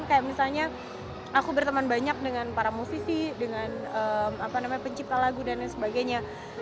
kayak misalnya aku berteman banyak dengan para musisi dengan pencipta lagu dan lain sebagainya